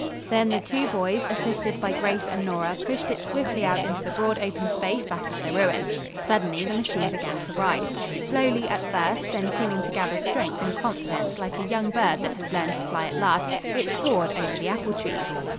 Then the two boys, assisted by Grace and Nora, pushed it swiftly out into the broad open space back of the ruin. Suddenly the machine began to rise. Slowly, at first, then seeming to gather strength and confidence like a young bird that has learned to fly at last, it soared over the apple trees.